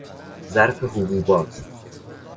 ظرف حبوبات